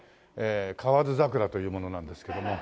河津桜という者なんですけども。